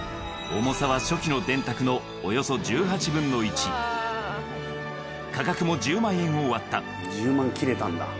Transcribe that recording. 重さは初期の電卓のおよそ１８分の１価格も１０万円を割った１０万切れたんだ。